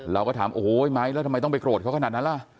เราก็ถามโอ้โหไม้แล้วทำไมต้องไปโกรธเขาขนาดนั้นล่ะ